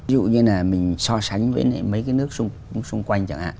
ví dụ như là mình so sánh với mấy cái nước xung quanh chẳng hạn